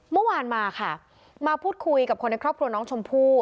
เมื่อวานมาค่ะมาพูดคุยกับคนในครอบครัวน้องชมพู่